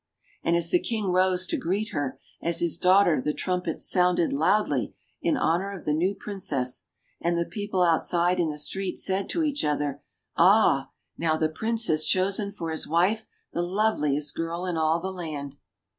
And as the King rose to greet her as his daughter the trumpets sounded loudly in honour of the new Princess, and the people outside in the street said to each other : "Ah ! now the Prince has chosen for his wife the loveliest girl in all the land